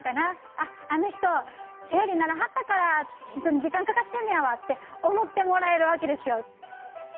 ああの人生理ならはったからちょっと時間かかってんねやわ」って思ってもらえるわけですよ。